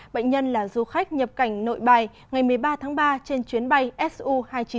bệnh nhân là du khách nhập cảnh nội bài ngày một mươi ba tháng ba trên chuyến bay su hai trăm chín mươi